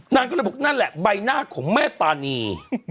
นางก็เลยบอกนั่นแหละใบหน้าของแม่ตานี